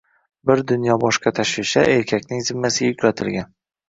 «bir dunyo» boshqa tashvishlar erkakning zimmasiga yuklatilgan.